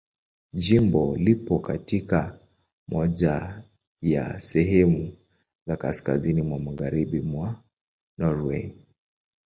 Jimbo lipo katika moja ya sehemu za kaskazini mwa Magharibi mwa Norwei.